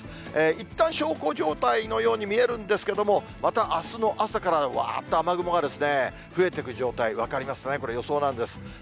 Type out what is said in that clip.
いったん小康状態のように見えるんですけども、またあすの朝から、わーっと雨雲が増えてく状態、分かりますかね、これ、予想なんです。